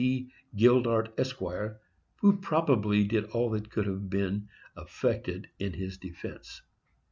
D. Gildart, Esq., who probably did all that could have been effected in his defence.